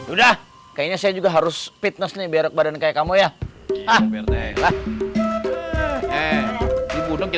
udah kayaknya saya juga harus fitness nih berat badan kayak kamu ya ah berat